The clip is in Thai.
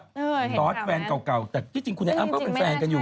คุณตอสแฟนเก่าแต่ที่จริงคุณไอ้อ้ำก็เป็นแฟนกันอยู่